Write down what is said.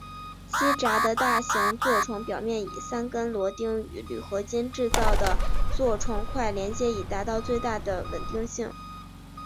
机匣的大型座床表面以三根螺钉与铝合金制造的座床块连接以达到最大的稳定性。